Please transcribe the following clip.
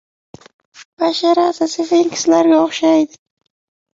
— Basharasi sfinkslarga o‘xshaydi.